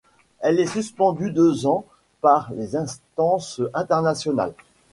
Elle est suspendue deux ans par les instances internationales.